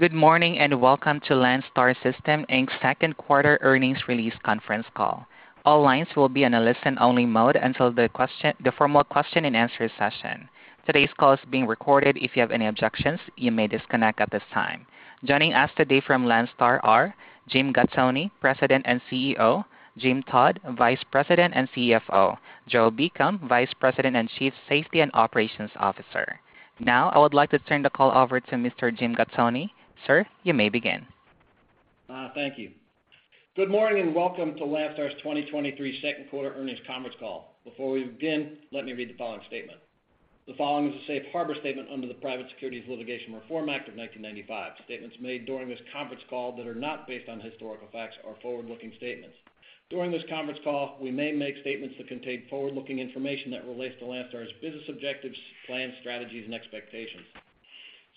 Good morning, welcome to Landstar System's second quarter earnings release conference call. All lines will be on a listen-only mode until the formal question-and-answer session. Today's call is being recorded. If you have any objections, you may disconnect at this time. Joining us today from Landstar are Jim Gattoni, President and CEO; Jim Todd, Vice President and CFO; Joe Beacom, Vice President and Chief Safety and Operations Officer. I would like to turn the call over to Mr. Jim Gattoni. Sir, you may begin. Thank you. Good morning, and welcome to Landstar's 2023 second quarter earnings conference call. Before we begin, let me read the following statement. The following is a safe harbor statement under the Private Securities Litigation Reform Act of 1995. Statements made during this conference call that are not based on historical facts are forward-looking statements. During this conference call, we may make statements that contain forward-looking information that relates to Landstar's business objectives, plans, strategies, and expectations.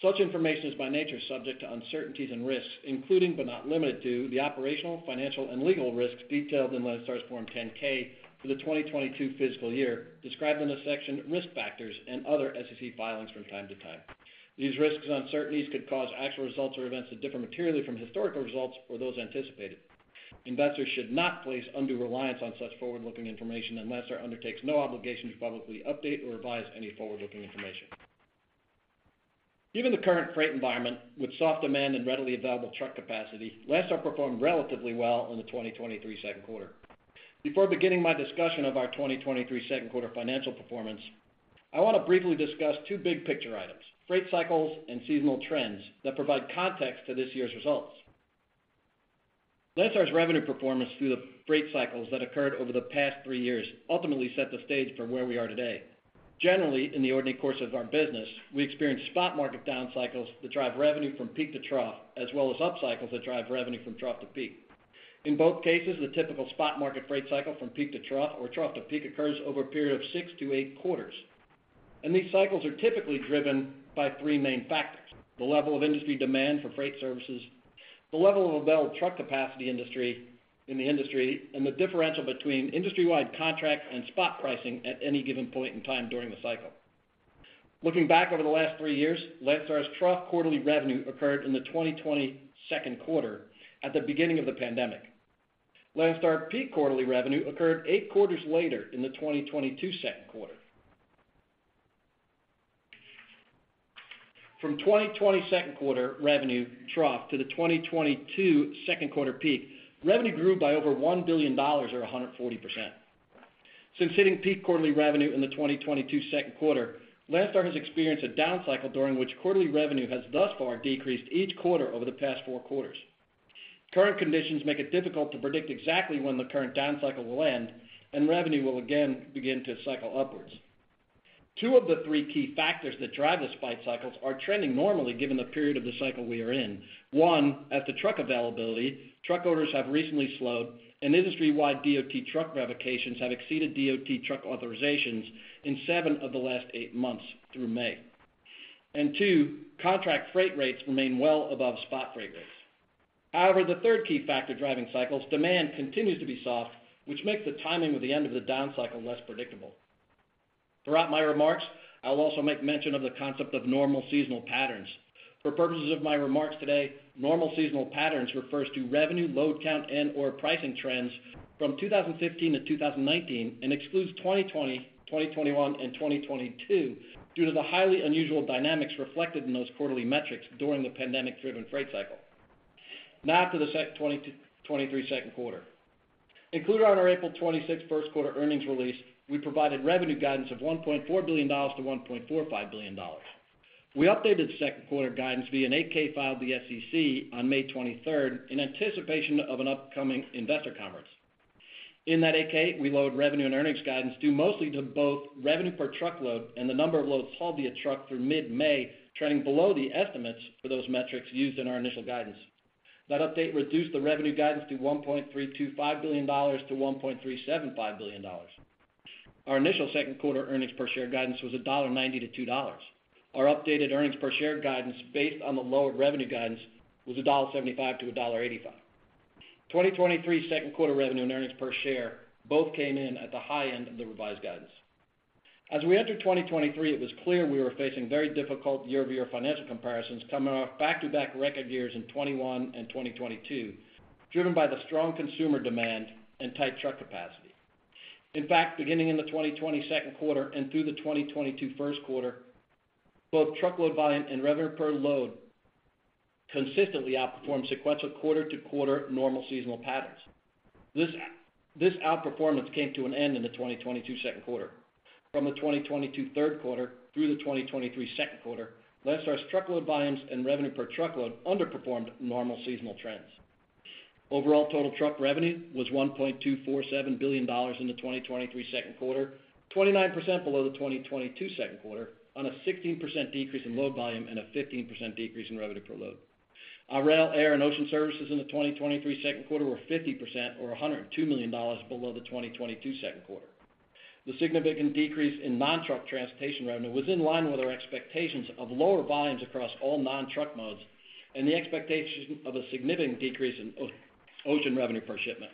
Such information is by nature subject to uncertainties and risks, including but not limited to, the operational, financial, and legal risks detailed in Landstar's Form 10-K for the 2022 fiscal year, described in the section Risk Factors and other SEC filings from time to time. These risks and uncertainties could cause actual results or events to differ materially from historical results or those anticipated. Investors should not place undue reliance on such forward-looking information, and Landstar undertakes no obligation to publicly update or revise any forward-looking information. Given the current freight environment, with soft demand and readily available truck capacity, Landstar performed relatively well in the 2023 2Q. Before beginning my discussion of our 2023 2Q financial performance, I want to briefly discuss two big picture items. Freight cycles and seasonal trends that provide context to this year's results. Landstar's revenue performance through the freight cycles that occurred over the past three years ultimately set the stage for where we are today. Generally, in the ordinary course of our business, we experience spot market down cycles that drive revenue from peak to trough, as well as up cycles that drive revenue from trough to peak. In both cases, the typical spot market freight cycle from peak to trough or trough to peak occurs over a period of six to eight quarters. These cycles are typically driven by three main factors: the level of industry demand for freight services, the level of available truck capacity in the industry, and the differential between industry-wide contract and spot pricing at any given point in time during the cycle. Looking back over the last three years, Landstar's trough quarterly revenue occurred in the 2020 second quarter at the beginning of the pandemic. Landstar peak quarterly revenue occurred eight quarters later in the 2022 second quarter. From 2020 second quarter revenue trough to the 2022 second quarter peak, revenue grew by over $1 billion or 140%. Since hitting peak quarterly revenue in the 2022 second quarter, Landstar has experienced a down cycle during which quarterly revenue has thus far decreased each quarter over the past four quarters. Current conditions make it difficult to predict exactly when the current down cycle will end, and revenue will again begin to cycle upwards. Two of the three key factors that drive the freight cycles are trending normally given the period of the cycle we are in. One, as to truck availability, truck orders have recently slowed, and industry-wide DOT truck revocations have exceeded DOT truck authorizations in seven of the last seven months through May. Two, contract freight rates remain well above spot freight rates. The third key factor driving cycles, demand, continues to be soft, which makes the timing of the end of the down cycle less predictable. Throughout my remarks, I'll also make mention of the concept of normal seasonal patterns. For purposes of my remarks today, normal seasonal patterns refers to revenue, load count, and/or pricing trends from 2015 to 2019 and excludes 2020, 2021, and 2022 due to the highly unusual dynamics reflected in those quarterly metrics during the pandemic-driven freight cycle. Now to the 2023 second quarter. Included on our April 26th first quarter earnings release, we provided revenue guidance of $1.4 billion-$1.45 billion. We updated second quarter guidance via an 8-K filed with the SEC on May 23rd in anticipation of an upcoming investor conference. In that 8-K, we lowered revenue and earnings guidance due mostly to both revenue per truckload and the number of loads hauled via truck through mid-May, trending below the estimates for those metrics used in our initial guidance. That update reduced the revenue guidance to $1.325 billion-$1.375 billion. Our initial second quarter earnings per share guidance was $1.90-$2.00. Our updated earnings per share guidance, based on the lowered revenue guidance, was $1.75-$1.85. 2023 second quarter revenue and earnings per share both came in at the high end of the revised guidance. As we entered 2023, it was clear we were facing very difficult year-over-year financial comparisons coming off back-to-back record years in 2021 and 2022, driven by the strong consumer demand and tight truck capacity. In fact, beginning in the 2020 second quarter and through the 2022 first quarter, both truckload volume and revenue per load consistently outperformed sequential quarter-to-quarter normal seasonal patterns. This outperformance came to an end in the 2022 second quarter. From the 2022 third quarter through the 2023 second quarter, Landstar's truckload volumes and revenue per truckload underperformed normal seasonal trends. Overall, total truck revenue was $1.247 billion in the 2023 second quarter, 29% below the 2022 second quarter, on a 16% decrease in load volume and a 15% decrease in revenue per load. Our rail, air, and ocean services in the 2023 second quarter were 50% or $102 million below the 2022 second quarter. The significant decrease in non-truck transportation revenue was in line with our expectations of lower volumes across all non-truck modes and the expectation of a significant decrease in ocean revenue per shipment.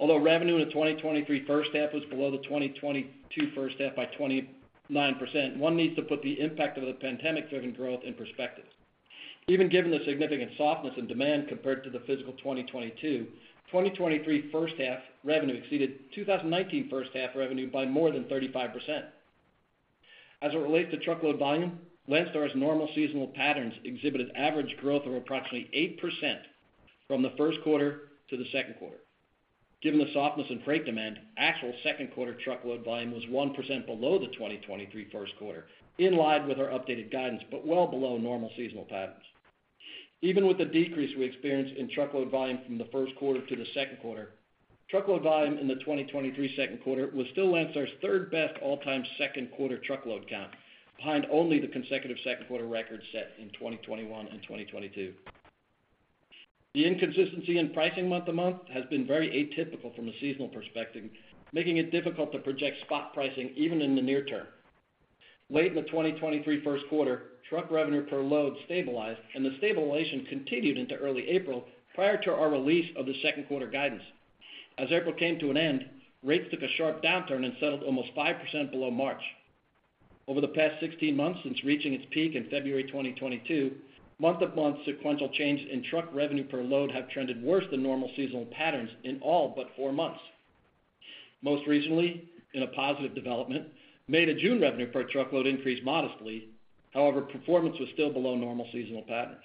Although revenue in the 2023 first half was below the 2022 first half by 29%, one needs to put the impact of the pandemic-driven growth in perspective. Even given the significant softness in demand compared to the fiscal 2022, 2023 first half revenue exceeded 2019 first half revenue by more than 35%. As it relates to truckload volume, Landstar's normal seasonal patterns exhibited average growth of approximately 8% from the first quarter to the second quarter. Given the softness in freight demand, actual second quarter truckload volume was 1% below the 2023 first quarter, in line with our updated guidance, but well below normal seasonal patterns. Even with the decrease we experienced in truckload volume from the first quarter to the second quarter, truckload volume in the 2023 second quarter was still Landstar's 3rd-best all-time second quarter truckload count, behind only the consecutive second quarter records set in 2021 and 2022. The inconsistency in pricing month to month has been very atypical from a seasonal perspective, making it difficult to project spot pricing even in the near term. Late in the 2023 first quarter, truck revenue per load stabilized, and the stabilization continued into early April, prior to our release of the second quarter guidance. As April came to an end, rates took a sharp downturn and settled almost 5% below March. Over the past 16 months, since reaching its peak in February 2022, month-over-month sequential change in truck revenue per load have trended worse than normal seasonal patterns in all but four months. Most recently, in a positive development, May to June revenue per truckload increased modestly. Performance was still below normal seasonal patterns.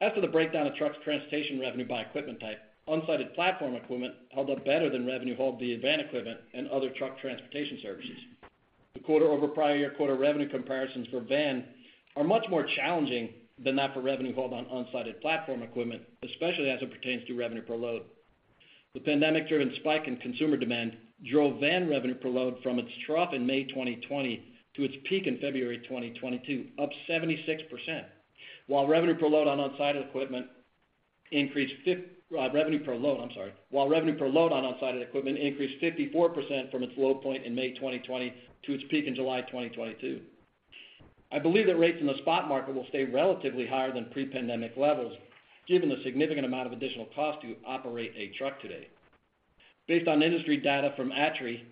After the breakdown of trucks transportation revenue by equipment type, flatbed platform equipment held up better than revenue hauled the van equipment and other truck transportation services. The quarter-over-prior-year quarter revenue comparisons for van are much more challenging than that for revenue hauled on flatbed platform equipment, especially as it pertains to revenue per load. The pandemic-driven spike in consumer demand drove van revenue per load from its trough in May 2020 to its peak in February 2022, up 76%. While revenue per load on flatbed equipment increased 54% from its low point in May 2020 to its peak in July 2022. I believe that rates in the spot market will stay relatively higher than pre-pandemic levels, given the significant amount of additional cost to operate a truck today. Based on industry data from ATRI,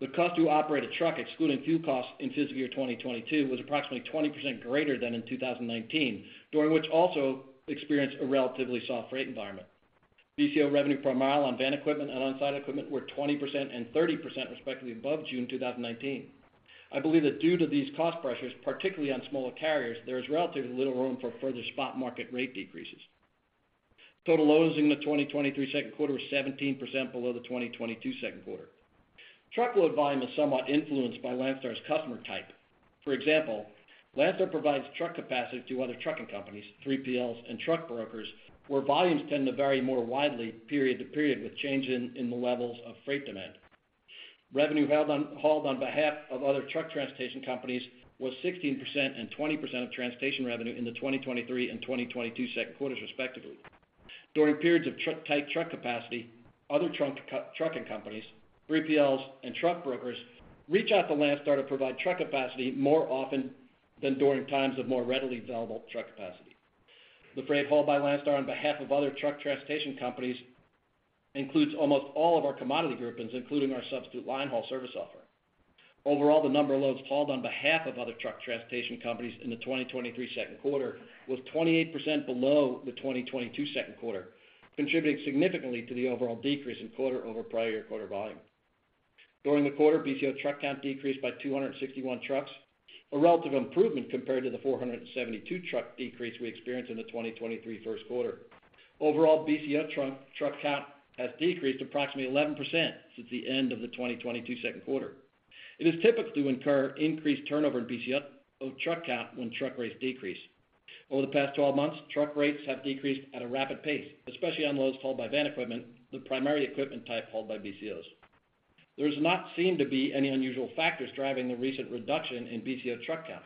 the cost to operate a truck, excluding fuel costs in fiscal year 2022, was approximately 20% greater than in 2019, during which also experienced a relatively soft freight environment. BCO revenue per mile on van equipment and flatbed equipment were 20% and 30%, respectively, above June 2019. I believe that due to these cost pressures, particularly on smaller carriers, there is relatively little room for further spot market rate decreases. Total loads in the 2023 second quarter was 17% below the 2022 second quarter. Truckload volume is somewhat influenced by Landstar's customer type. For example, Landstar provides truck capacity to other trucking companies, 3PLs and truck brokers, where volumes tend to vary more widely period to period, with changes in the levels of freight demand. Revenue hauled on behalf of other truck transportation companies was 16% and 20% of transportation revenue in the 2023 and 2022 second quarters, respectively. During periods of tight truck capacity, other trucking companies, 3PLs and truck brokers reach out to Landstar to provide truck capacity more often than during times of more readily available truck capacity. The freight hauled by Landstar on behalf of other truck transportation companies includes almost all of our commodity groupings, including our substitute line haul service offer. Overall, the number of loads hauled on behalf of other truck transportation companies in the 2023 second quarter was 28% below the 2022 second quarter, contributing significantly to the overall decrease in quarter over prior year quarter volume. During the quarter, BCO truck count decreased by 261 trucks, a relative improvement compared to the 472 truck decrease we experienced in the 2023 first quarter. Overall, BCO truck count has decreased approximately 11% since the end of the 2022 second quarter. It is typical to incur increased turnover in BCO truck count when truck rates decrease. Over the past 12 months, truck rates have decreased at a rapid pace, especially on loads hauled by van equipment, the primary equipment type hauled by BCOs. There does not seem to be any unusual factors driving the recent reduction in BCO truck count.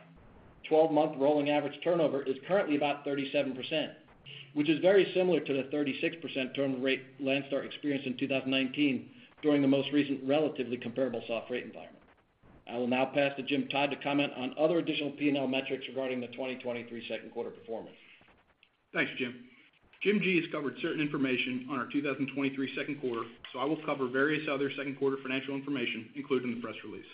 12-month rolling average turnover is currently about 37%, which is very similar to the 36% turnover rate Landstar experienced in 2019 during the most recent relatively comparable soft rate environment. I will now pass to Jim Todd to comment on other additional P&L metrics regarding the 2023 second quarter performance. Thanks, Jim. Jim Gattoni. has covered certain information on our 2023 second quarter. I will cover various other second quarter financial information included in the press release.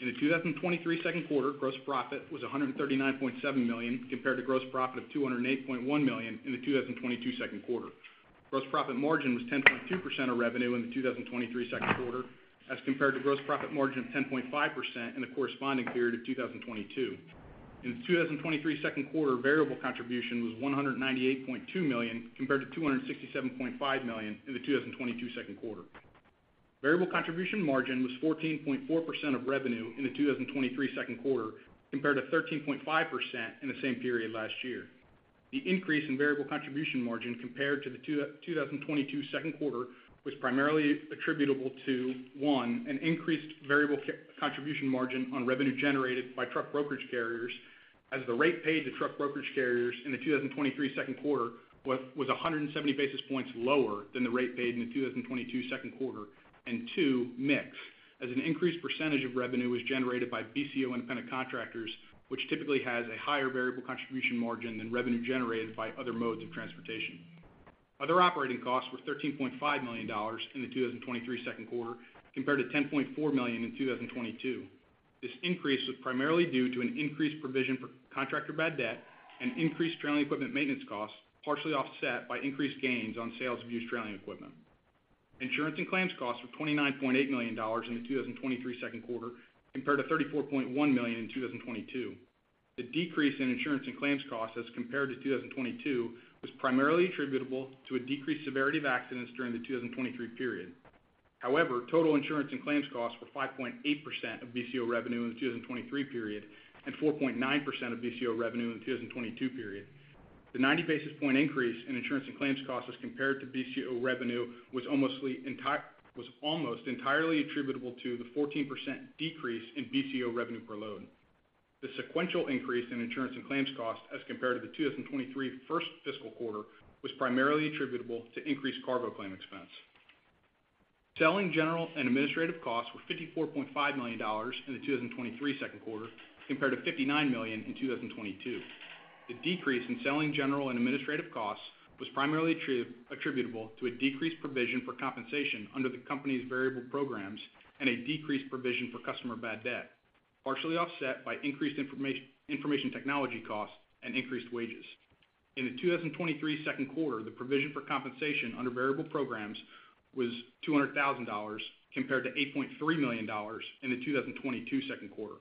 In the 2023 second quarter, gross profit was $139.7 million, compared to gross profit of $208.1 million in the 2022 second quarter. Gross profit margin was 10.2% of revenue in the 2023 second quarter, as compared to gross profit margin of 10.5% in the corresponding period of 2022. In the 2023 second quarter, variable contribution was $198.2 million, compared to $267.5 million in the 2022 second quarter. Variable contribution margin was 14.4% of revenue in the 2023 second quarter, compared to 13.5% in the same period last year. The increase in variable contribution margin compared to the 2022 second quarter was primarily attributable to, one, an increased variable contribution margin on revenue generated by truck brokerage carriers, as the rate paid to truck brokerage carriers in the 2023 second quarter was 170 basis points lower than the rate paid in the 2022 second quarter. Two, mix, as an increased percentage of revenue was generated by BCO independent contractors, which typically has a higher variable contribution margin than revenue generated by other modes of transportation. Other operating costs were $13.5 million in the 2023 second quarter, compared to $10.4 million in 2022. This increase was primarily due to an increased provision for contractor bad debt and increased trailing equipment maintenance costs, partially offset by increased gains on sales of used trailing equipment. Insurance and claims costs were $29.8 million in the 2023 second quarter, compared to $34.1 million in 2022. The decrease in insurance and claims costs as compared to 2022, was primarily attributable to a decreased severity of accidents during the 2023 period. However, total insurance and claims costs were 5.8% of BCO revenue in the 2023 period, and 4.9% of BCO revenue in the 2022 period. The 90 basis point increase in insurance and claims costs as compared to BCO revenue, was almost entirely attributable to the 14% decrease in BCO revenue per load. The sequential increase in insurance and claims costs as compared to the 2023 first fiscal quarter, was primarily attributable to increased cargo claim expense. Selling general and administrative costs were $54.5 million in the 2023 second quarter, compared to $59 million in 2022. The decrease in selling general and administrative costs was primarily attributable to a decreased provision for compensation under the company's variable programs and a decreased provision for customer bad debt, partially offset by increased information technology costs and increased wages. In the 2023 second quarter, the provision for compensation under variable programs was $200,000, compared to $8.3 million in the 2022 second quarter.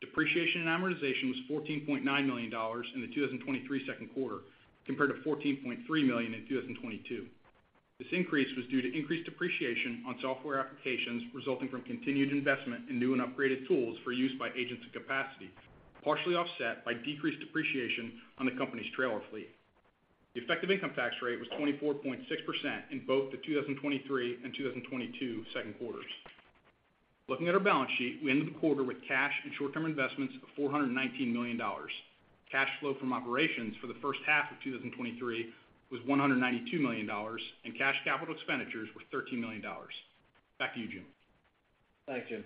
Depreciation and amortization was $14.9 million in the 2023 second quarter, compared to $14.3 million in 2022. This increase was due to increased depreciation on software applications, resulting from continued investment in new and upgraded tools for use by agents and capacity, partially offset by decreased depreciation on the company's trailer fleet. The effective income tax rate was 24.6% in both the 2023 and 2022 second quarters. Looking at our balance sheet, we ended the quarter with cash and short-term investments of $419 million. Cash flow from operations for the first half of 2023 was $192 million, and cash capital expenditures were $13 million. Back to you, Jim. Thank you.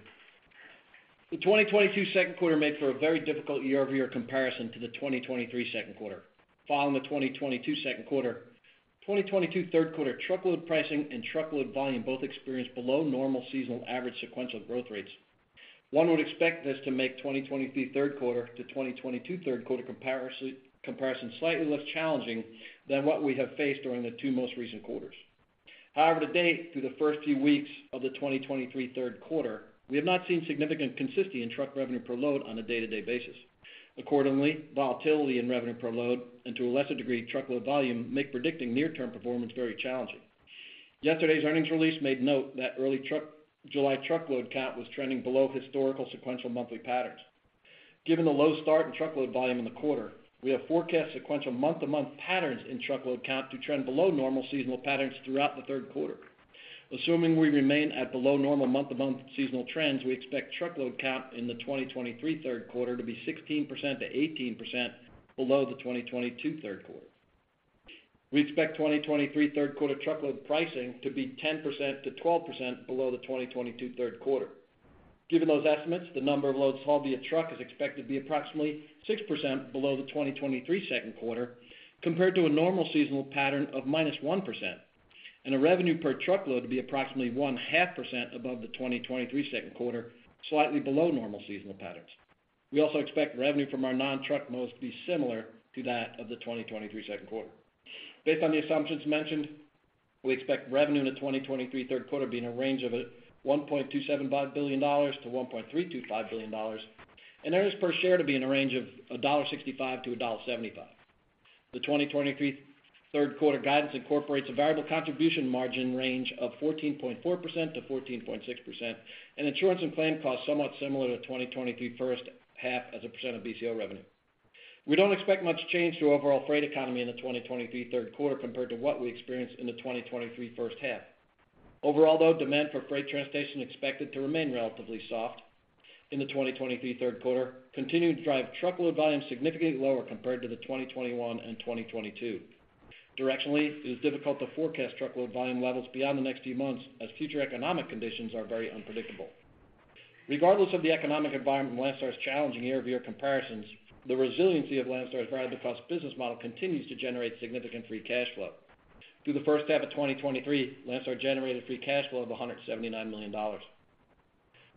The 2022 second quarter made for a very difficult year-over-year comparison to the 2023 second quarter. Following the 2022 second quarter, 2022 third quarter truckload pricing and truckload volume both experienced below normal seasonal average sequential growth rates. One would expect this to make 2023 third quarter to 2022 third quarter comparison slightly less challenging than what we have faced during the two most recent quarters. However, to date, through the first few weeks of the 2023 third quarter, we have not seen significant consistency in truck revenue per load on a day-to-day basis. Accordingly, volatility in revenue per load, and to a lesser degree, truckload volume, make predicting near-term performance very challenging. Yesterday's earnings release made note that early July truckload count was trending below historical sequential monthly patterns. Given the low start in truckload volume in the quarter, we have forecast sequential month-to-month patterns in truckload count to trend below normal seasonal patterns throughout the third quarter. Assuming we remain at below normal month-to-month seasonal trends, we expect truckload count in the 2023 third quarter to be 16%-18% below the 2022 third quarter. We expect 2023 third quarter truckload pricing to be 10%-12% below the 2022 third quarter. Given those estimates, the number of loads hauled via truck is expected to be approximately 6% below the 2023 second quarter, compared to a normal seasonal pattern of minus 1%, and a revenue per truckload to be approximately one-half percent above the 2023 second quarter, slightly below normal seasonal patterns. We also expect revenue from our non-truck modes to be similar to that of the 2023 second quarter. Based on the assumptions mentioned, we expect revenue in the 2023 third quarter to be in a range of $1.275 billion-$1.325 billion, and earnings per share to be in a range of $1.65-$1.75. The 2023 third quarter guidance incorporates a variable contribution margin range of 14.4%-14.6%, and insurance and claim costs somewhat similar to 2023 first half as a percent of BCO revenue. We don't expect much change to overall freight economy in the 2023 third quarter compared to what we experienced in the 2023 first half. Overall, though, demand for freight transportation is expected to remain relatively soft in the 2023 third quarter, continuing to drive truckload volume significantly lower compared to the 2021 and 2022. Directionally, it is difficult to forecast truckload volume levels beyond the next few months, as future economic conditions are very unpredictable. Regardless of the economic environment and Landstar's challenging year-over-year comparisons, the resiliency of Landstar's drive-across business model continues to generate significant free cash flow. Through the first half of 2023, Landstar generated free cash flow of $179 million.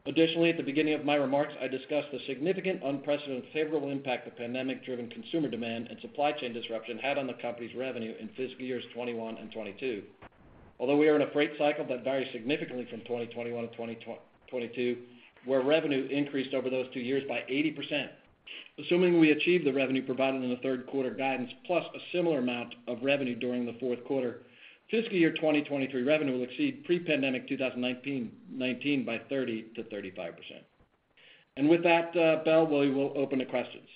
Additionally, at the beginning of my remarks, I discussed the significant unprecedented favorable impact the pandemic-driven consumer demand and supply chain disruption had on the company's revenue in fiscal years 2021 and 2022. Although we are in a freight cycle that varies significantly from 2021 to 2022, where revenue increased over those two years by 80%, assuming we achieve the revenue provided in the third quarter guidance, plus a similar amount of revenue during the fourth quarter, fiscal year 2023 revenue will exceed pre-pandemic 2019 by 30%-35%. With that, Bell, we will open to questions.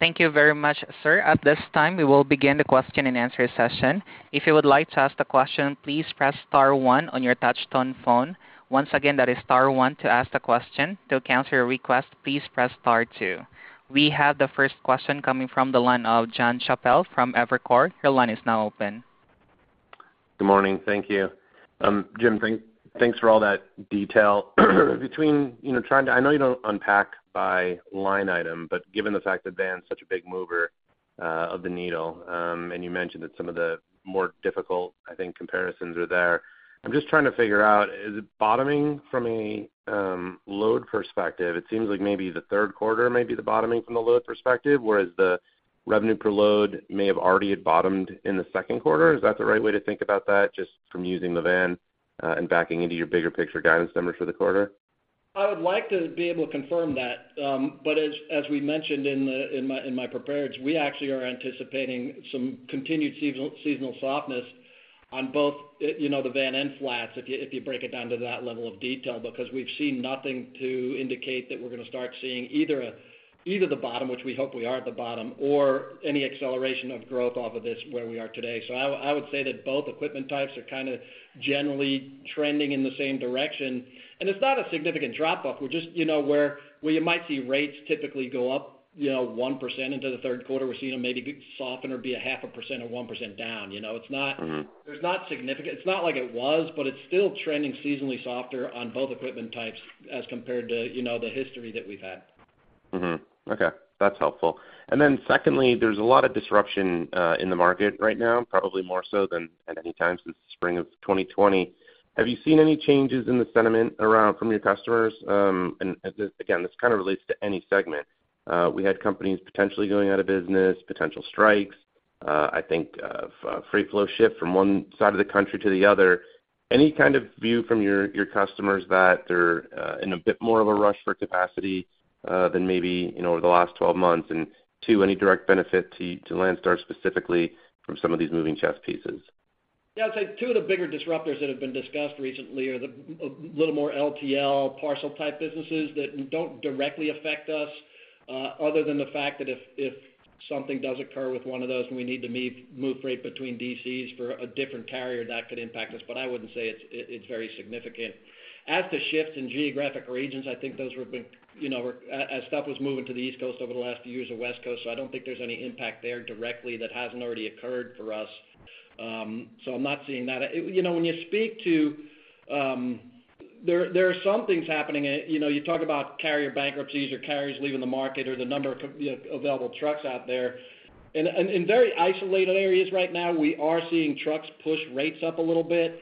Thank you very much, sir. At this time, we will begin the question and answer session. If you would like to ask the question, please press star one on your touchtone phone. Once again, that is star one to ask the question. To cancel your request, please press star two. We have the first question coming from the line of Jonathan Chappell from Evercore. Your line is now open. Good morning. Thank you. Jim, thanks for all that detail. Between, you know, I know you don't unpack by line item, but given the fact that van is such a big mover of the needle, and you mentioned that some of the more difficult, I think, comparisons are there, I'm just trying to figure out, is it bottoming from a load perspective? It seems like maybe the third quarter may be the bottoming from the load perspective, whereas the revenue per load may have already bottomed in the second quarter. Is that the right way to think about that, just from using the van and backing into your bigger picture guidance numbers for the quarter? I would like to be able to confirm that. As we mentioned in my prepared, we actually are anticipating some continued seasonal softness on both, you know, the van and flats, if you break it down to that level of detail, because we've seen nothing to indicate that we're going to start seeing either the bottom, which we hope we are at the bottom, or any acceleration of growth off of this where we are today. I would say that both equipment types are kind of generally trending in the same direction. It's not a significant drop-off, we're just, you know, where you might see rates typically go up, you know, 1% into the third quarter. We're seeing them maybe soften or be a half a % or 1% down. You know, it's. Mm-hmm. There's not significant. It's not like it was, but it's still trending seasonally softer on both equipment types as compared to, you know, the history that we've had. Okay, that's helpful. Secondly, there's a lot of disruption in the market right now, probably more so than at any time since the spring of 2020. Have you seen any changes in the sentiment around from your customers? Again, this kind of relates to any segment. We had companies potentially going out of business, potential strikes, freight flow shift from one side of the country to the other. Any kind of view from your customers that they're in a bit more of a rush for capacity than maybe, you know, over the last 12 months? Two, any direct benefit to Landstar, specifically, from some of these moving chess pieces? Yeah, I'd say two of the bigger disruptors that have been discussed recently are the, a little more LTL, parcel-type businesses that don't directly affect us, other than the fact that if something does occur with one of those and we need to move freight between DCs for a different carrier, that could impact us, but I wouldn't say it's very significant. As to shifts in geographic regions, I think those were, you know, as stuff was moving to the East Coast over the last few years, or West Coast, so I don't think there's any impact there directly that hasn't already occurred for us. I'm not seeing that. You know, when you speak to, there are some things happening. You know, you talk about carrier bankruptcies, or carriers leaving the market, or the number of available trucks out there. In very isolated areas right now, we are seeing trucks push rates up a little bit,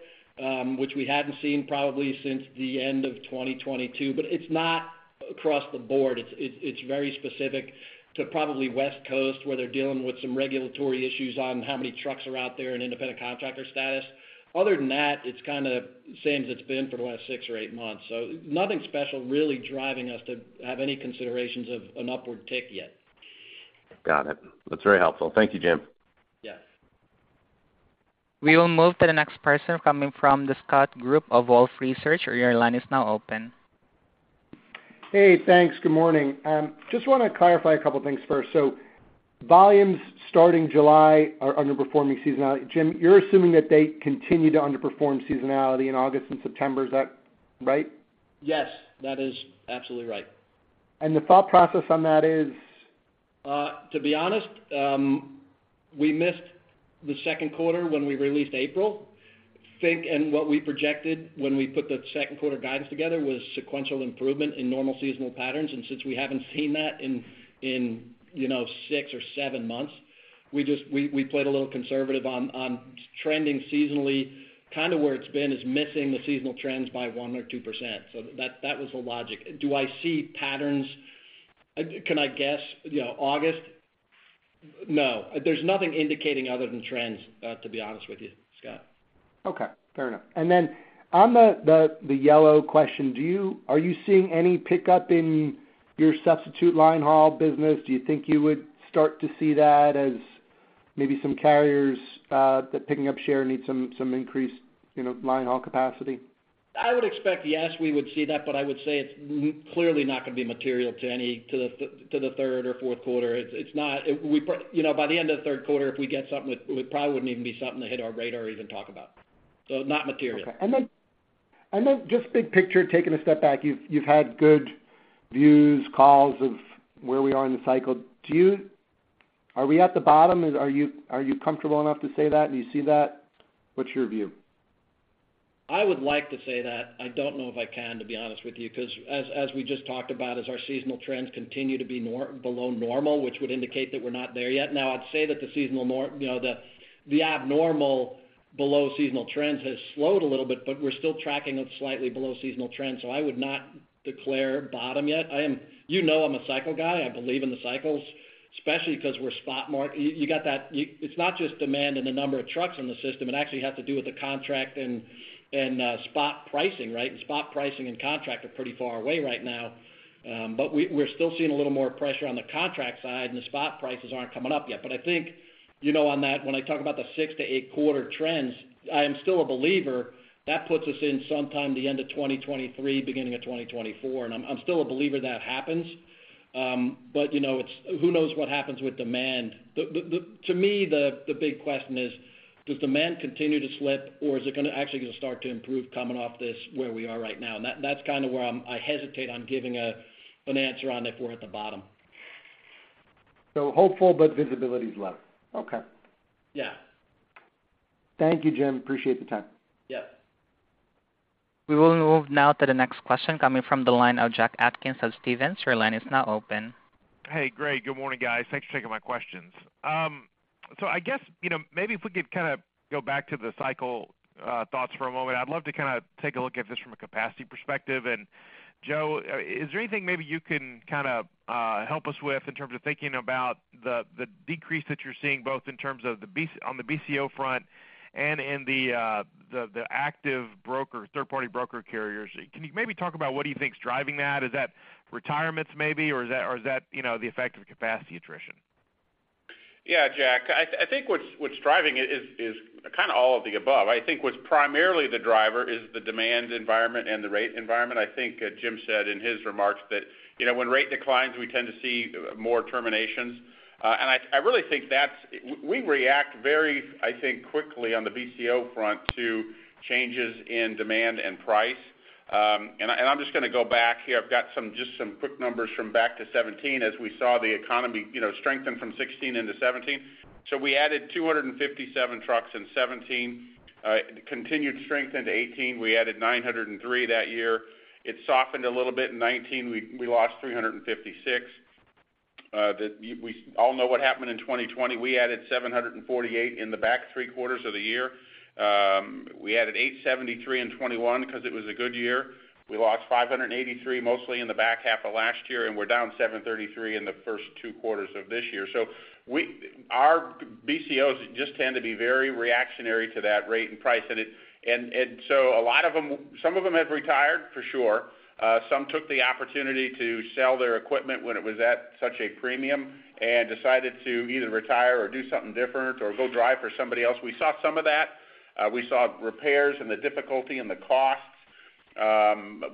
which we hadn't seen probably since the end of 2022, but it's not across the board. It's very specific to probably West Coast, where they're dealing with some regulatory issues on how many trucks are out there in independent contractor status. Other than that, it's kind of the same as it's been for the last six or eight months. Nothing special really driving us to have any considerations of an upward tick yet. Got it. That's very helpful. Thank you, Jim. Yes. We will move to the next person coming from the Scott Group of Wolfe Research. Your line is now open. Hey, thanks. Good morning. just want to clarify a couple things first. Volumes starting July are underperforming seasonality. Jim, you're assuming that they continue to underperform seasonality in August and September. Is that right? Yes, that is absolutely right. The thought process on that is? To be honest, we missed the second quarter when we released April. I think, and what we projected when we put the second quarter guidance together, was sequential improvement in normal seasonal patterns. Since we haven't seen that in, you know, six or seven months, we played a little conservative on trending seasonally, kind of where it's been, is missing the seasonal trends by 1% or 2%. That, that was the logic. Do I see patterns? Can I guess, you know, August? No. There's nothing indicating other than trends, to be honest with you, Scott. Okay. Fair enough. On the Yellow question, are you seeing any pickup in your substitute linehaul business? Do you think you would start to see that as maybe some carriers that picking up share need some increased, you know, linehaul capacity? I would expect, yes, we would see that, but I would say it's clearly not going to be material to the, to the third or fourth quarter. It's we you know, by the end of the third quarter, if we get something, it probably wouldn't even be something to hit our radar or even talk about. Not material. Okay. Then just big picture, taking a step back, you've had good views, calls of where we are in the cycle. Are we at the bottom? Are you comfortable enough to say that? Do you see that? What's your view? I would like to say that. I don't know if I can, to be honest with you, because as we just talked about, as our seasonal trends continue to be below normal, which would indicate that we're not there yet. Now, I'd say that the seasonal you know, the abnormal below seasonal trends has slowed a little bit, but we're still tracking a slightly below seasonal trends, so I would not declare bottom yet. I am. You know I'm a cycle guy. I believe in the cycles, especially because we're spot market. You got that. It's not just demand and the number of trucks in the system, it actually has to do with the contract and spot pricing, right? And spot pricing and contract are pretty far away right now. We, we're still seeing a little more pressure on the contract side, and the spot prices aren't coming up yet. I think, you know, on that, when I talk about the six to eight-quarter trends, I am still a believer. That puts us in sometime the end of 2023, beginning of 2024, and I'm still a believer that happens. You know, it's, who knows what happens with demand? To me, the big question is: Does demand continue to slip, or is it going to actually going to start to improve coming off this, where we are right now? That's kind of where I hesitate on giving a, an answer on if we're at the bottom. Hopeful, but visibility is low. Okay. Yeah. Thank you, Jim. Appreciate the time. Yes. We will move now to the next question coming from the line of Jack Atkins of Stephens. Your line is now open. Hey, great. Good morning, guys. Thanks for taking my questions. I guess, you know, maybe if we could kind of go back to the cycle thoughts for a moment. I'd love to kind of take a look at this from a capacity perspective. Joe, is there anything maybe you can kind of help us with in terms of thinking about the decrease that you're seeing, both in terms of on the BCO front and in the active broker, truck brokerage carriers? Can you maybe talk about what do you think is driving that? Is that retirements maybe, or is that, you know, the effect of capacity attrition? Yeah, Jack, I think what's driving it is kind of all of the above. I think what's primarily the driver is the demand environment and the rate environment. I think, as Jim said in his remarks, that, you know, when rate declines, we tend to see more terminations. I really think we react very, I think, quickly on the BCO front to changes in demand and price. I'm just going to go back here. I've got some, just some quick numbers from back to 2017, as we saw the economy, you know, strengthen from 2016 into 2017. It continued to strengthen to 2018. We added 903 that year. It softened a little bit in 2019. We lost 356. That we all know what happened in 2020. We added 748 in the back three quarters of the year. We added 873 in 2021 because it was a good year. We lost 583, mostly in the back half of last year, and we're down 733 in the first two quarters of this year. Our BCOs just tend to be very reactionary to that rate and price. It, a lot of them, some of them have retired, for sure. Some took the opportunity to sell their equipment when it was at such a premium and decided to either retire or do something different or go drive for somebody else. We saw some of that. We saw repairs and the difficulty and the costs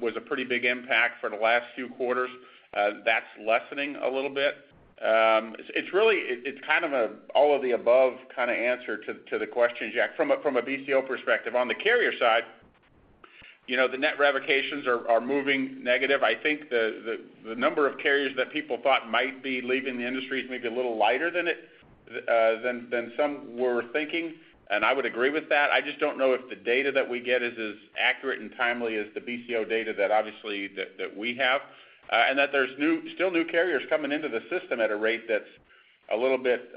was a pretty big impact for the last few quarters. That's lessening a little bit. It's, it's really, it's kind of a all-of-the-above kind of answer to the question, Jack, from a BCO perspective. On the carrier side, you know, the net revocations are moving negative. I think the number of carriers that people thought might be leaving the industry is maybe a little lighter than it than some were thinking, and I would agree with that. I just don't know if the data that we get is as accurate and timely as the BCO data that obviously, that we have. That there's still new carriers coming into the system at a rate that's a little bit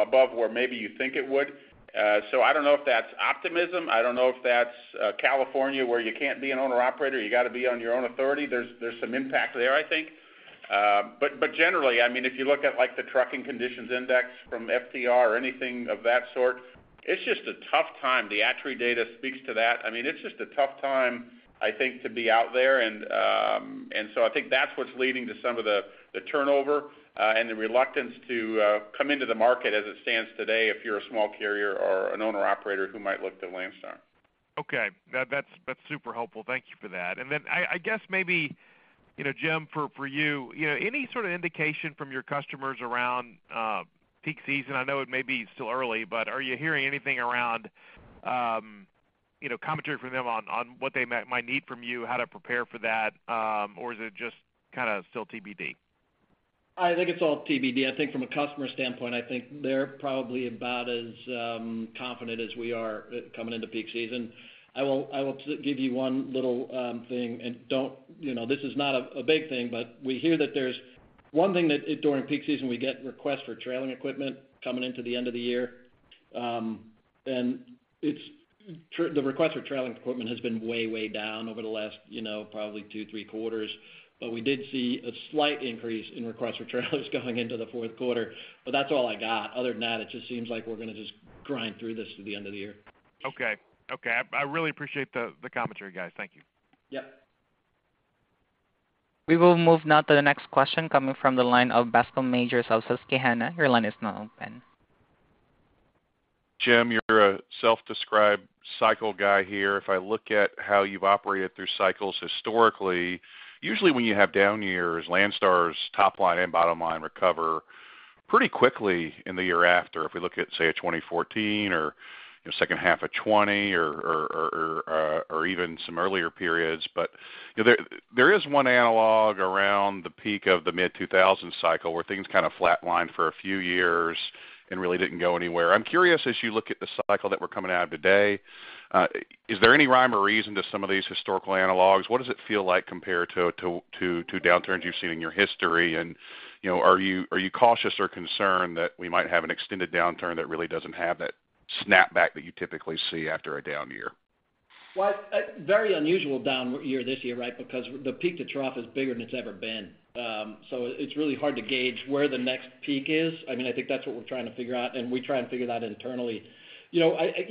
above where maybe you think it would. I don't know if that's optimism. I don't know if that's California, where you can't be an owner-operator, you got to be on your own authority. There's some impact there, I think. Generally, I mean, if you look at, like, the Trucking Conditions Index from FTR or anything of that sort, it's just a tough time. The ATRI data speaks to that. I mean, it's just a tough time, I think, to be out there. I think that's what's leading to some of the turnover, and the reluctance to, come into the market as it stands today, if you're a small carrier or an owner-operator who might look to Landstar. Okay. That's super helpful. Thank you for that. Then I guess maybe, you know, Jim, for you know, any sort of indication from your customers around peak season? I know it may be still early, but are you hearing anything around, you know, commentary from them on what they might need from you, how to prepare for that? Is it just kind of still TBD? I think it's all TBD. I think from a customer standpoint, I think they're probably about as confident as we are coming into peak season. I will give you one little thing, and You know, this is not a big thing, but we hear that there's one thing that, during peak season, we get requests for trailing equipment coming into the end of the year. The request for trailing equipment has been way down over the last, you know, probably two, three quarters. We did see a slight increase in requests for trailers going into the fourth quarter, but that's all I got. Other than that, it just seems like we're going to just grind through this to the end of the year. Okay. Okay, I really appreciate the commentary, guys. Thank you. Yep. We will move now to the next question coming from the line of Bascome Majors of Susquehanna. Your line is now open. Jim, you're a self-described cycle guy here. If I look at how you've operated through cycles historically, usually when you have down years, Landstar's top line and bottom line recover pretty quickly in the year after. If we look at, say, a 2014 or, you know, second half of 2020 or even some earlier periods. You know, there is one analog around the peak of the mid-2000 cycle, where things kind of flatlined for a few years and really didn't go anywhere. I'm curious, as you look at the cycle that we're coming out of today, is there any rhyme or reason to some of these historical analogs? What does it feel like compared to downturns you've seen in your history? You know, are you, are you cautious or concerned that we might have an extended downturn that really doesn't have that snapback that you typically see after a down year? Well, a very unusual down year this year, right? The peak to trough is bigger than it's ever been. It's really hard to gauge where the next peak is. I mean, I think that's what we're trying to figure out, and we try and figure that internally. You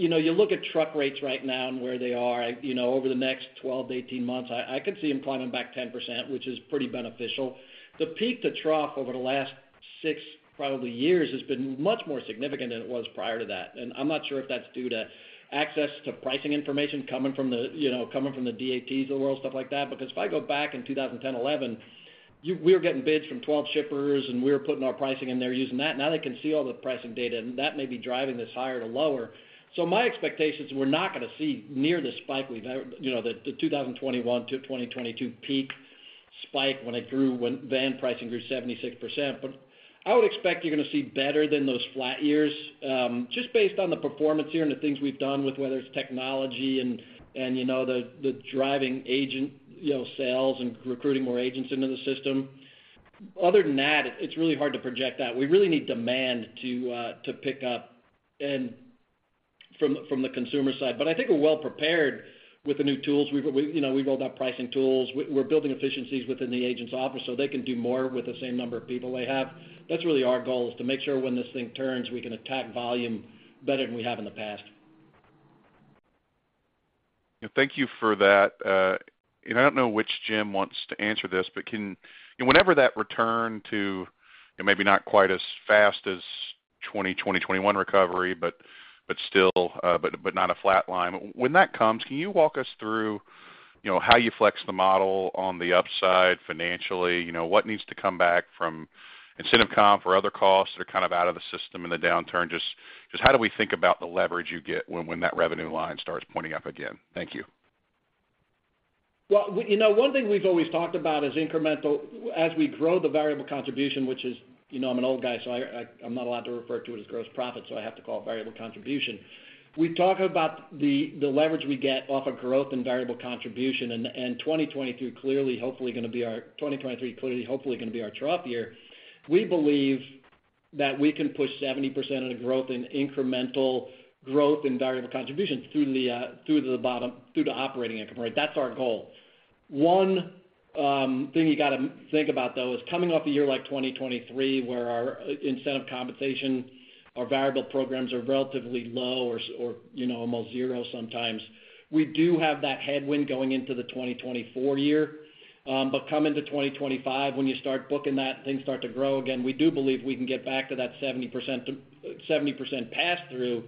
know, you look at truck rates right now and where they are, you know, over the next 12 to 18 months, I could see them climbing back 10%, which is pretty beneficial. The peak to trough over the last six, probably years, has been much more significant than it was prior to that. I'm not sure if that's due to access to pricing information coming from the DATs of the world, stuff like that. If I go back in 2010, 2011, we were getting bids from 12 shippers, and we were putting our pricing in there using that. Now they can see all the pricing data, and that may be driving this higher to lower. My expectations, we're not going to see near the spike we've ever, you know, the 2021-2022 peak spike when it grew, when van pricing grew 76%. I would expect you're going to see better than those flat years, just based on the performance here and the things we've done with whether it's technology and, you know, the driving agent, you know, sales and recruiting more agents into the system. Other than that, it's really hard to project that. We really need demand to pick up and from the consumer side. I think we're well prepared with the new tools. We've, you know, we've rolled out pricing tools. We're building efficiencies within the agent's office, so they can do more with the same number of people they have. That's really our goal, is to make sure when this thing turns, we can attack volume better than we have in the past. Thank you for that. I don't know which Jim wants to answer this, whenever that return to, maybe not quite as fast as 2020, 2021 recovery, but still, but not a flat line. When that comes, can you walk us through, you know, how you flex the model on the upside financially? You know, what needs to come back from incentive comp or other costs that are kind of out of the system in the downturn? Just how do we think about the leverage you get when that revenue line starts pointing up again? Thank you. Well, we, you know, one thing we've always talked about is incremental. As we grow the variable contribution, which is, you know, I'm an old guy, so I'm not allowed to refer to it as Gross Profit, so I have to call it variable contribution. We talk about the leverage we get off of growth and variable contribution, and 2022 clearly, hopefully, going to be our 2023, clearly, hopefully, going to be our trough year. We believe that we can push 70% of the growth in incremental growth in variable contribution through the through the bottom, through the operating income, right? That's our goal. One thing you got to think about, though, is coming off a year like 2023, where our incentive compensation, our variable programs are relatively low or, you know, almost zero sometimes. We do have that headwind going into the 2024 year. Come into 2025, when you start booking that, things start to grow again, we do believe we can get back to that 70% pass-through of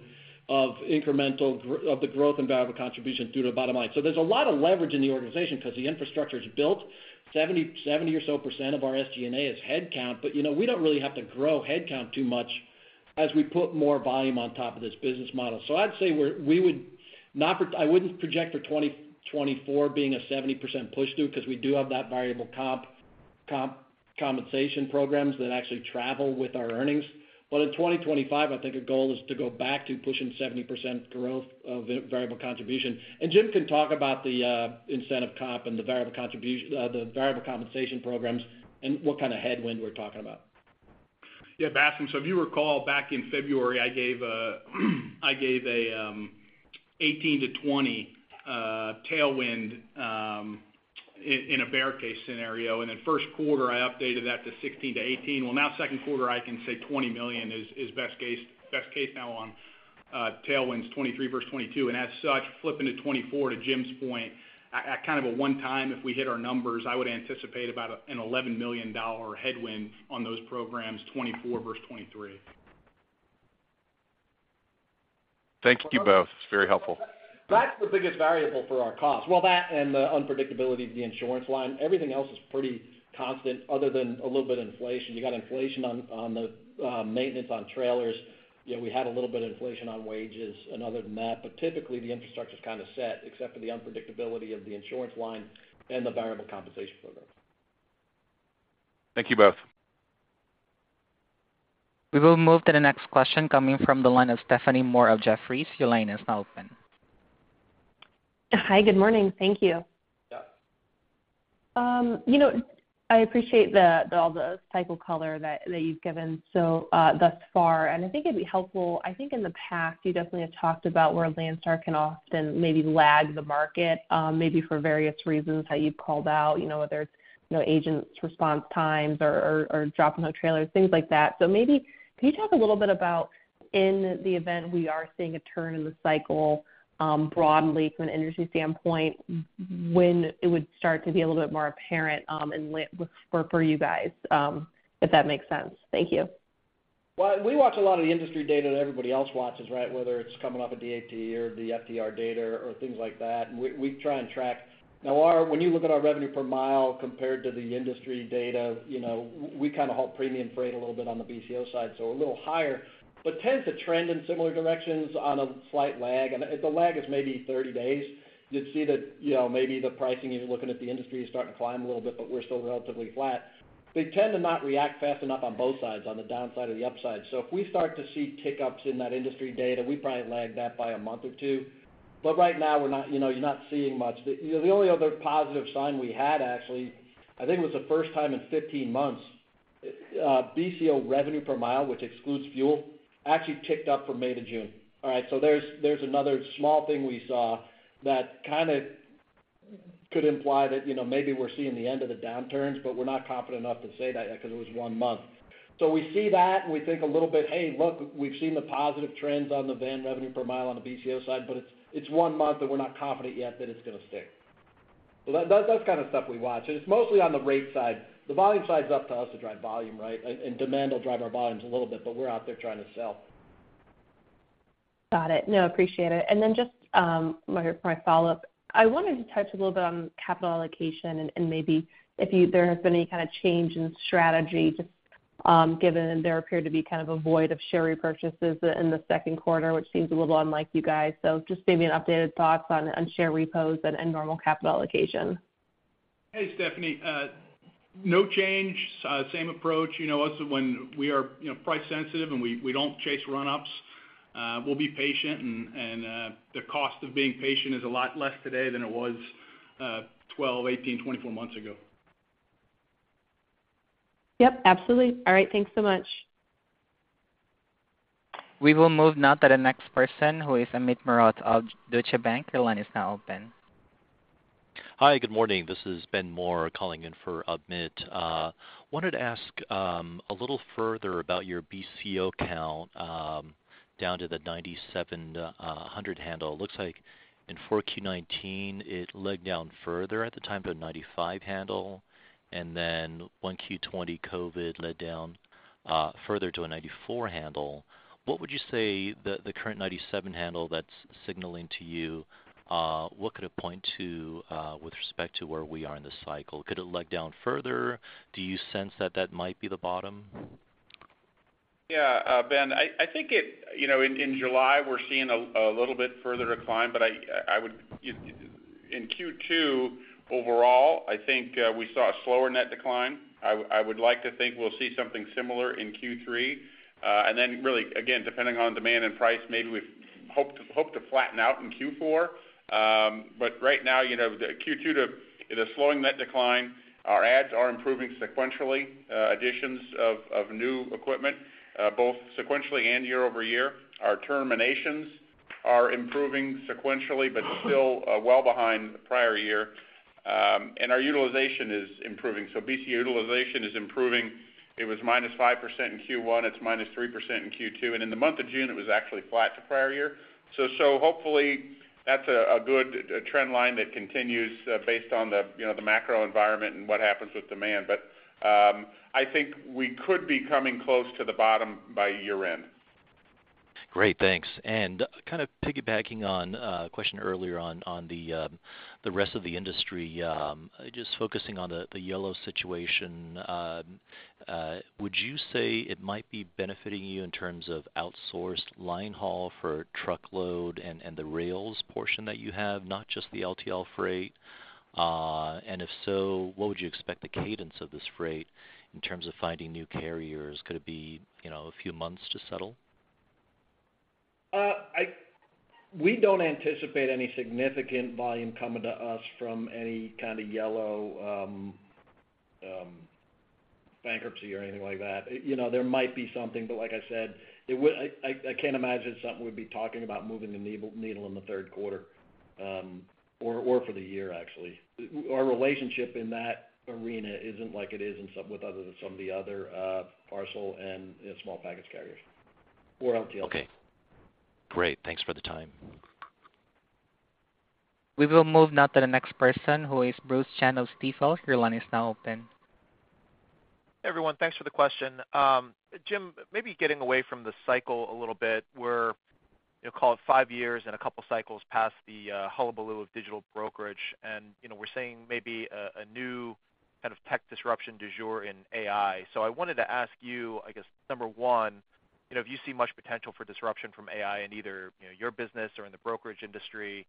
incremental of the growth and variable contribution through the bottom line. There's a lot of leverage in the organization because the infrastructure is built. 70% or so of our SG&A is headcount, but, you know, we don't really have to grow headcount too much as we put more volume on top of this business model. I'd say we would not I wouldn't project for 2024 being a 70% push-through, because we do have that variable compensation programs that actually travel with our earnings. In 2025, I think our goal is to go back to pushing 70% growth of variable contribution. Jim can talk about the incentive comp and the variable compensation programs and what kind of headwind we're talking about. Bascome, if you recall, back in February, I gave a 18-20 tailwind in a bear case scenario, and in first quarter, I updated that to 16-18. Now, second quarter, I can say $20 million is best case now on tailwinds, 2023 versus 2022. As such, flipping to 2024, to Jim's point, at kind of a one time, if we hit our numbers, I would anticipate about an $11 million headwind on those programs, 2024 versus 2023. Thank you both. It's very helpful. That's the biggest variable for our costs. Well, that and the unpredictability of the insurance line. Everything else is pretty constant other than a little bit of inflation. You got inflation on the maintenance on trailers. You know, we had a little bit of inflation on wages and other than that, but typically the infrastructure is kind of set, except for the unpredictability of the insurance line and the variable compensation program. Thank you both. We will move to the next question coming from the line of Stephanie Moore of Jefferies. Your line is now open. Hi, good morning. Thank you. Yeah. You know, I appreciate all the type of color that you've given so thus far, and I think it'd be helpful. I think in the past, you definitely have talked about where Landstar can often maybe lag the market, maybe for various reasons, how you've called out, you know, whether it's, you know, agents' response times or drop in the trailers, things like that. Maybe can you talk a little bit about, in the event we are seeing a turn in the cycle, broadly from an industry standpoint, when it would start to be a little bit more apparent, and when for you guys? If that makes sense. Thank you. Well, we watch a lot of the industry data that everybody else watches, right? Whether it's coming off of DAT or the FTR data or things like that. We try and track. When you look at our revenue per mile compared to the industry data, you know, we kind of halt premium freight a little bit on the BCO side, so a little higher, but tends to trend in similar directions on a slight lag, and the lag is maybe 30 days. You'd see that, you know, maybe the pricing, you're looking at the industry is starting to climb a little bit, but we're still relatively flat. They tend to not react fast enough on both sides, on the downside or the upside. If we start to see tick-ups in that industry data, we probably lag that by a month or two. Right now, we're not, you know, you're not seeing much. You know, the only other positive sign we had, actually, I think it was the first time in 15 months, BCO revenue per mile, which excludes fuel, actually ticked up from May to June. There's another small thing we saw that kind of could imply that, you know, maybe we're seeing the end of the downturns, but we're not confident enough to say that yet because it was one month. We see that, and we think a little bit, "Hey, look, we've seen the positive trends on the van revenue per mile on the BCO side," but it's one month, and we're not confident yet that it's going to stick. That's kind of stuff we watch, and it's mostly on the rate side. The volume side is up to us to drive volume, right? Demand will drive our volumes a little bit, but we're out there trying to sell. Got it. No, appreciate it. Just my follow-up, I wanted to touch a little bit on capital allocation and maybe if there has been any kind of change in strategy, given there appeared to be kind of a void of share repurchases in the second quarter, which seems a little unlike you guys. Just maybe an updated thoughts on share repos and normal capital allocation? Hey, Stephanie. No change, same approach. You know us when we are, you know, price sensitive, and we don't chase run-ups. We'll be patient, and the cost of being patient is a lot less today than it was, 12, 18, 24 months ago. Yep, absolutely. All right, thanks so much. We will move now to the next person, who is Amit Mehrotra of Deutsche Bank. Your line is now open. Hi, good morning. This is Ben Moore calling in for Amit. wanted to ask a little further about your BCO count, down to the 9,700 handle. Looks like in 4Q 2019, it led down further at the time to a 9,500 handle, and then 1Q 2020 COVID led down further to a 9,400 handle. What would you say the current 9,700 handle that's signaling to you, what could it point to with respect to where we are in the cycle? Could it leg down further? Do you sense that that might be the bottom? Yeah, Amit, I think, you know, in July, we're seeing a little bit further decline. I would in Q2 overall, I think, we saw a slower net decline. I would like to think we'll see something similar in Q3. Really, again, depending on demand and price, maybe we've hoped to flatten out in Q4. Right now, you know, it is slowing net decline. Our ads are improving sequentially, additions of new equipment, both sequentially and year-over-year. Our terminations are improving sequentially, still well behind the prior year. Our utilization is improving. BCO utilization is improving. It was -5% in Q1, it's -3% in Q2, and in the month of June, it was actually flat to prior year. Hopefully that's a good trend line that continues, based on the, you know, the macro environment and what happens with demand. I think we could be coming close to the bottom by year-end. Great, thanks. Kind of piggybacking on a question earlier on the rest of the industry, just focusing on the Yellow situation. Would you say it might be benefiting you in terms of outsourced line haul for truckload and the rails portion that you have, not just the LTL freight? If so, what would you expect the cadence of this freight in terms of finding new carriers? Could it be, you know, a few months to settle? We don't anticipate any significant volume coming to us from any kind of Yellow bankruptcy or anything like that. You know, there might be something, but like I said, it would I can't imagine something we'd be talking about moving the needle in the third quarter or for the year, actually. Our relationship in that arena isn't like it is in some with other, some of the other parcel and, you know, small package carriers or LTLs. Okay. Great. Thanks for the time. We will move now to the next person, who is Bruce Chan of Stifel. Your line is now open. Hey, everyone. Thanks for the question. Jim, maybe getting away from the cycle a little bit, we're, you know, call it five years and a couple of cycles past the hullabaloo of digital brokerage, and, you know, we're seeing maybe a new kind of tech disruption du jour in AI. I wanted to ask you, I guess, number one, you know, if you see much potential for disruption from AI in either, you know, your business or in the brokerage industry,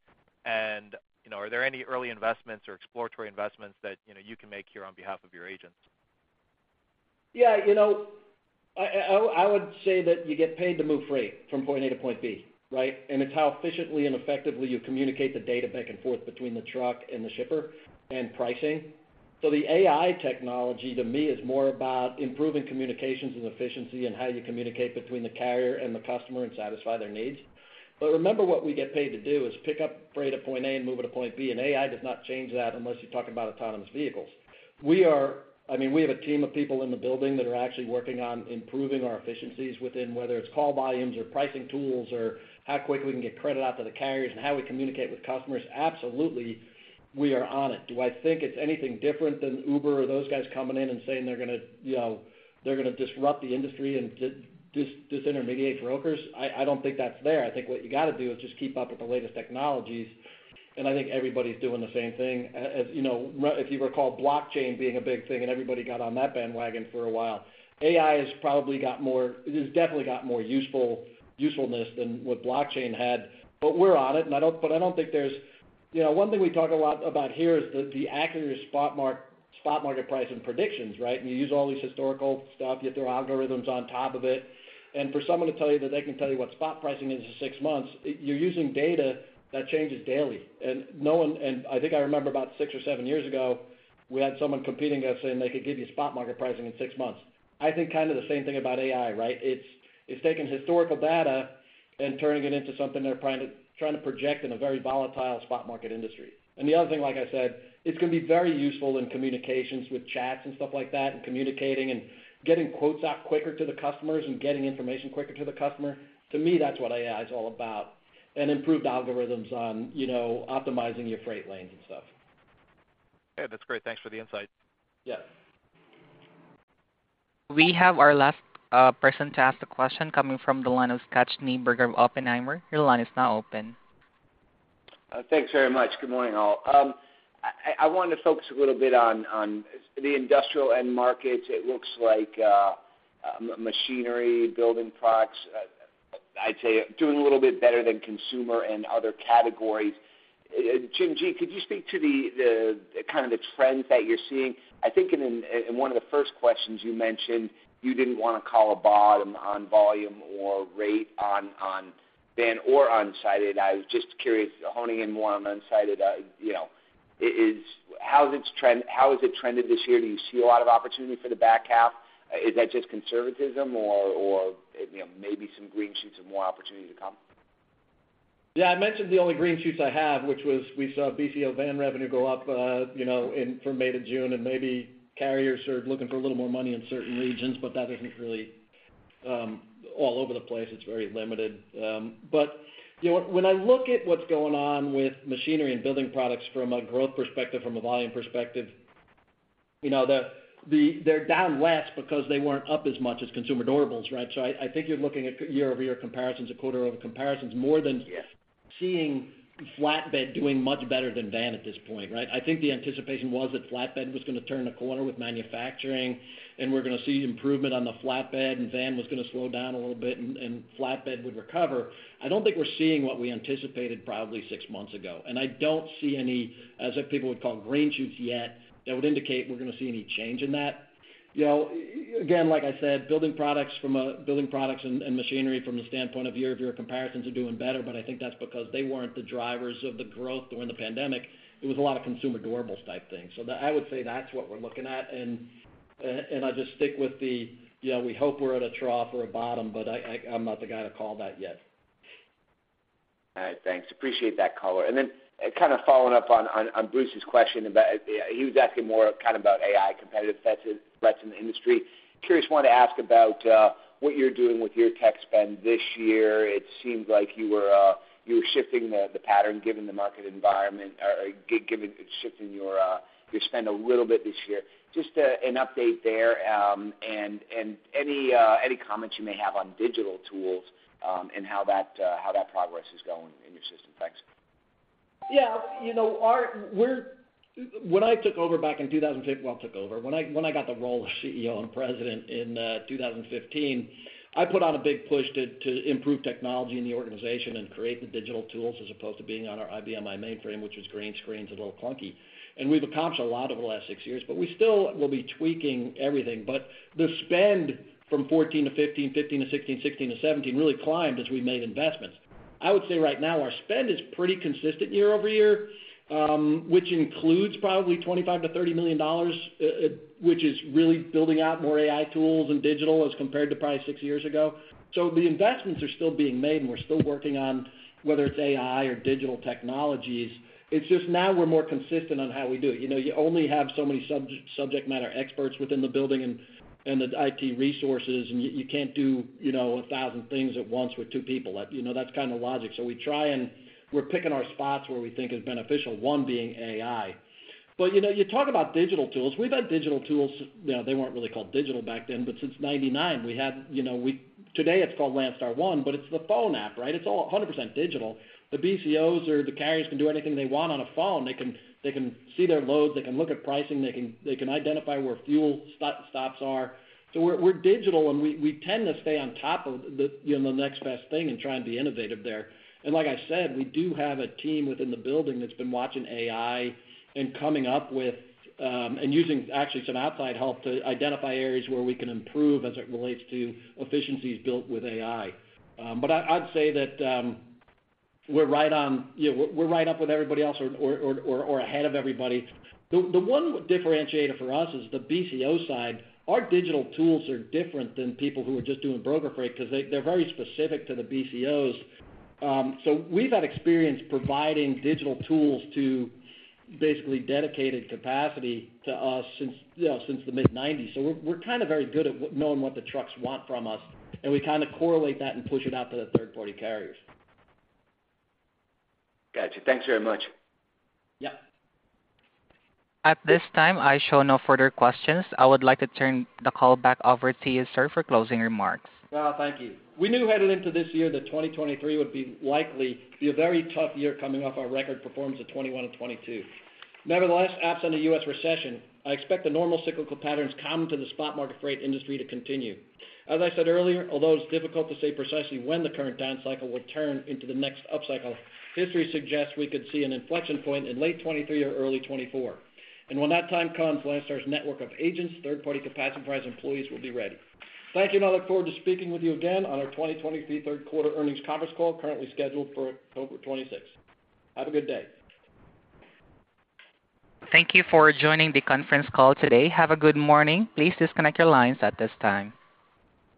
and, you know, are there any early investments or exploratory investments that, you know, you can make here on behalf of your agents? Yeah, you know, I would say that you get paid to move freight from point A to point B, right? It's how efficiently and effectively you communicate the data back and forth between the truck and the shipper and pricing. The AI technology, to me, is more about improving communications and efficiency and how you communicate between the carrier and the customer and satisfy their needs. Remember, what we get paid to do is pick up freight at point A and move it to point B, and AI does not change that unless you're talking about autonomous vehicles. I mean, we have a team of people in the building that are actually working on improving our efficiencies within, whether it's call volumes or pricing tools, or how quick we can get credit out to the carriers and how we communicate with customers. Absolutely, we are on it. Do I think it's anything different than Uber or those guys coming in and saying they're going to, you know, they're going to disrupt the industry and disintermediate brokers? I don't think that's there. I think what you got to do is just keep up with the latest technologies, and I think everybody's doing the same thing. As, you know, if you recall, blockchain being a big thing and everybody got on that bandwagon for a while. AI has probably got more it has definitely got more usefulness than what blockchain had, but we're on it, and I don't think there's You know, one thing we talk a lot about here is the accuracy of spot market pricing predictions, right? You use all these historical stuff, you throw algorithms on top of it. For someone to tell you that they can tell you what spot pricing is in six months, you're using data that changes daily. No one, and I think I remember about six or seven years ago, we had someone competing against saying they could give you spot market pricing in six months. I think kind of the same thing about AI, right? It's taking historical data and turning it into something they're trying to project in a very volatile spot market industry. The other thing, like I said, it's going to be very useful in communications with chats and stuff like that, and communicating and getting quotes out quicker to the customers and getting information quicker to the customer. To me, that's what AI is all about, and improved algorithms on, you know, optimizing your freight lanes and stuff. Okay, that's great. Thanks for the insight. Yes. We have our last person to ask the question, coming from the line of Scott Schneeberger of Oppenheimer. Your line is now open. Thanks very much. Good morning, all. I wanted to focus a little bit on the industrial end markets. It looks like machinery, building products, I'd say are doing a little bit better than consumer and other categories. Jim Gattoni, could you speak to the kind of the trends that you're seeing? I think in one of the first questions you mentioned, you didn't want to call a bottom on volume or rate on van or flatbed. I was just curious, honing in more on flatbed, you know, how is its trend, how has it trended this year? Do you see a lot of opportunity for the back half? Is that just conservatism or, you know, maybe some green shoots and more opportunity to come? Yeah, I mentioned the only green shoots I have, which was we saw BCO van revenue go up, you know, in from May to June. Maybe carriers are looking for a little more money in certain regions. That isn't really all over the place. It's very limited. You know, when I look at what's going on with machinery and building products from a growth perspective, from a volume perspective, you know, they're down less because they weren't up as much as consumer durables, right? I think you're looking at year-over-year comparisons or quarter-over-year comparisons more than seeing flatbed doing much better than van at this point, right? I think the anticipation was that flatbed was going to turn a corner with manufacturing. We're going to see improvement on the flatbed. Van was going to slow down a little bit, and flatbed would recover. I don't think we're seeing what we anticipated probably six months ago. I don't see any, as some people would call, green shoots yet that would indicate we're going to see any change in that. You know, again, like I said, building products from a building products and machinery from the standpoint of year-over-year comparisons are doing better. I think that's because they weren't the drivers of the growth during the pandemic. It was a lot of consumer durables type things. I would say that's what we're looking at. I'll just stick with the, you know, we hope we're at a trough or a bottom, but I'm not the guy to call that yet. All right. Thanks. Appreciate that color. Kind of following up on Bruce's question about. He was asking more kind of about AI competitive threats in the industry. Curious, want to ask about what you're doing with your tech spend this year. It seems like you were shifting the pattern, given the market environment, or given shifting your spend a little bit this year. Just an update there, and any comments you may have on digital tools, and how that progress is going in your system. Thanks. Yeah, you know, our When I took over back in 2015, well, took over, when I got the role of CEO and President in 2015, I put out a big push to improve technology in the organization and create the digital tools as opposed to being on our IBMI, which was green screens and a little clunky. We've accomplished a lot over the last six years, but we still will be tweaking everything. The spend from 2014-2015, 2015-2016, 2016-2017, really climbed as we made investments. I would say right now, our spend is pretty consistent year-over-year, which includes probably $25 million-$30 million, which is really building out more AI tools and digital as compared to probably six years ago. The investments are still being made, and we're still working on whether it's AI or digital technologies. It's just now we're more consistent on how we do it. You know, you only have so many subject matter experts within the building and the IT resources, and you can't do, you know, 1,000 things at once with two people. You know, that's kind of logic. We try, and we're picking our spots where we think is beneficial, one being AI. You know, you talk about digital tools. We've had digital tools, you know, they weren't really called digital back then, but since 99, we have, you know, today it's called Landstar One, but it's the phone app, right? It's all 100% digital. The BCOs or the carriers can do anything they want on a phone. They can see their loads, they can look at pricing, they can identify where fuel stops are. We're digital, we tend to stay on top of the, you know, the next best thing and try and be innovative there. Like I said, we do have a team within the building that's been watching AI and coming up with, and using actually some outside help to identify areas where we can improve as it relates to efficiencies built with AI. I'd say that, we're right on, you know, we're right up with everybody else or ahead of everybody. The one differentiator for us is the BCO side. Our digital tools are different than people who are just doing broker freight, because they're very specific to the BCOs. We've had experience providing digital tools to basically dedicated capacity to us since, you know, since the mid-90s. We're, we're kind of very good at knowing what the trucks want from us, and we kind of correlate that and push it out to the third-party carriers. Got you. Thanks very much. Yeah. At this time, I show no further questions. I would like to turn the call back over to you, sir, for closing remarks. Well, thank you. We knew headed into this year that 2023 would be likely be a very tough year coming off our record performance of 2021 and 2022. Nevertheless, absent a U.S. recession, I expect the normal cyclical patterns common to the spot market freight industry to continue. As I said earlier, although it's difficult to say precisely when the current downcycle will turn into the next upcycle, history suggests we could see an inflection point in late 2023 or early 2024. When that time comes, Landstar's network of agents, third-party capacity, and employees will be ready. Thank you, and I look forward to speaking with you again on our 2023 third quarter earnings conference call, currently scheduled for October 26th. Have a good day. Thank you for joining the conference call today. Have a good morning. Please disconnect your lines at this time.